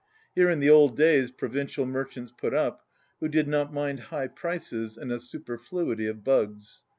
Here in the old days pro vincial merchants put up, who did not mind high prices and a superfluity of bugs.